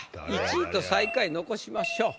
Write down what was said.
１位と最下位残しましょう。